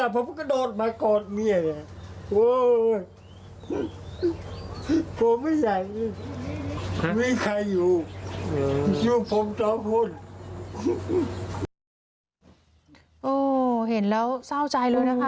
โอ้โหเห็นแล้วเศร้าใจเลยนะคะ